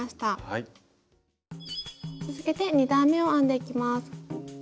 続けて２段めを編んでいきます。